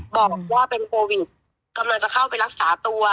บอกว่าเป็นโควิดกำลังจะเข้าไปรักษาตัว